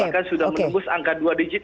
bahkan sudah menembus angka dua digit